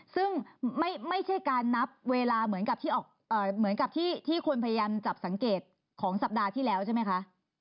ซึ่งไม่ใช่การนับเวลาเหมือนกับที่เหมือนกับที่คนพยายามจับสังเกตของสัปดาห์ที่แล้วใช่ไหมคะ